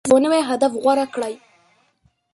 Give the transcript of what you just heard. هره ورځ یو نوی هدف غوره کړئ.